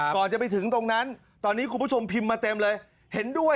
ก่อนจะไปถึงตรงนั้นตอนนี้คุณผู้ชมพิมพ์มาเต็มเลยเห็นด้วย